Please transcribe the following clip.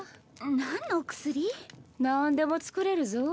何の薬？何でも作れるぞ。